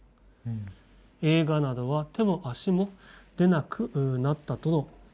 映画などは手も足も出なくなったとの話」。